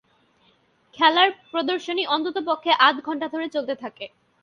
খেলার প্রদর্শনী অন্ততপক্ষে আধ ঘণ্টা ধরে চলে থাকে।